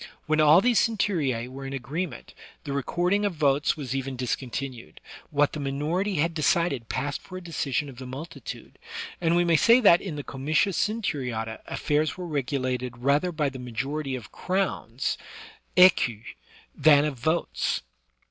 When all these centurue were in agreement, the record ing of votes was even discontinued; what the minority had decided passed for a decision of the multitude; and we may say that in the comitia centuriata affairs were regulated rather by the majority of crowns {^cus) than of votes.